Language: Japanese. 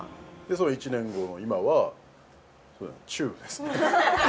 そりゃ１年後の今はチューですね